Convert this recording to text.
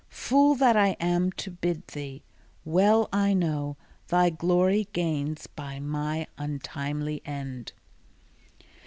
Fool that I am to bid thee! well I know Thy glory gains by my untimely end.